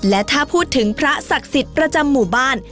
และถ้าพูดถึงพระศักดิ์สิทธิ์ประจำหมู่บ้าน